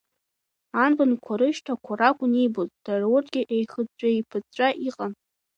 Анбанқәа рышьҭақәа ракәын иибоз, дара урҭгьы еихыҵәҵәа-еиԥыҵәҵәа иҟан.